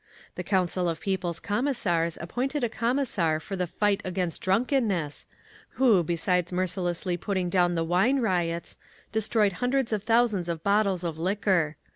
The Council of People's Commissars appointed a Commissar for the Fight Against Drunkenness, who, besides mercilessly putting down the wine riots, destroyed hundreds of thousands of bottles of liquor.